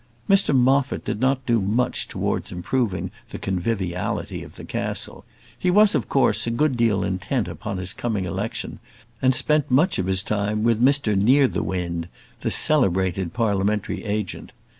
Mr Moffat did not do much towards improving the conviviality of the castle. He was, of course, a good deal intent upon his coming election, and spent much of his time with Mr Nearthewinde, the celebrated parliamentary agent.